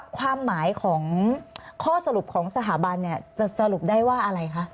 ความหมายของข้อสรุปของสถาบันจะสรุปได้ว่าอะไรคะ